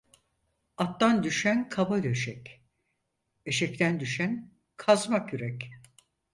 Attan düşen kaba döşek, eşekten düşen kazma kürek.